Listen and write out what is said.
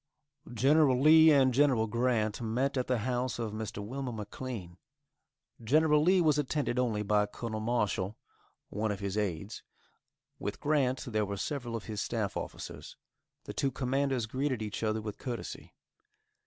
Gen. Lee and Gen. Grant met at the house of Mr. Wilmer McLean. General Lee was attended only by Col. Marshal, one of his aids; with Grant there were several of his staff officers. The two commanders greeted each other with courtesy.